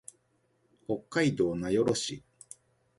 北海道名寄市